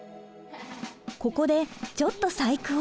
ここでちょっと細工を。